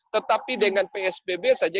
tetapi dengan psbb saja